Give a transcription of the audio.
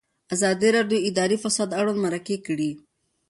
ازادي راډیو د اداري فساد اړوند مرکې کړي.